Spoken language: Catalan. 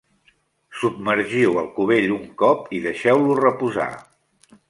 Submergiu el cubell un cop i deixeu-lo reposar.